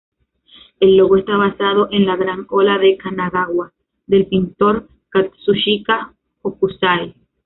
El logo está basado en "La gran ola de Kanagawa", del pintor Katsushika Hokusai.